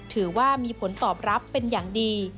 ถือว่ามีผลตอบรับเป็นอย่างดี